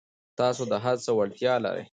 تاسو د هر څه وړتیا لرئ.